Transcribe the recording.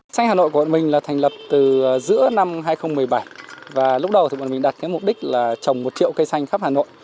xanh hà nội của bọn mình là thành lập từ giữa năm hai nghìn một mươi bảy và lúc đầu thì bọn mình đặt cái mục đích là trồng một triệu cây xanh khắp hà nội